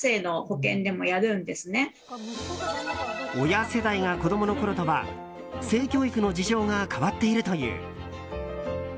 親世代が子供のころとは性教育の事情が変わっているという。